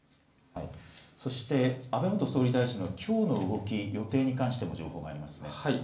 そして安倍元総理大臣のきょうの動き、予定に関しても情報がありますね。